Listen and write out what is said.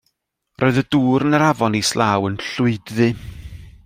Roedd y dŵr yn yr afon islaw yn llwyd-ddu.